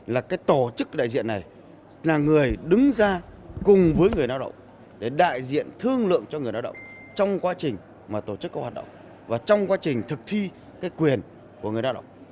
là cái tổ chức đại diện này là người đứng ra cùng với người lao động để đại diện thương lượng cho người lao động trong quá trình mà tổ chức các hoạt động và trong quá trình thực thi cái quyền của người lao động